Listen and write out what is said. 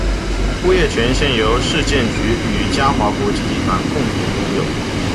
物业权现由市建局与嘉华国际集团共同拥有。